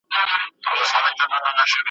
د زړه په تل کي یادولای مي سې ,